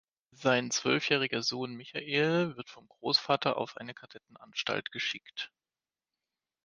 Sein zwölfjähriger Sohn Michael wird vom Großvater auf eine Kadettenanstalt geschickt.